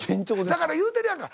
だから言うてるやんか。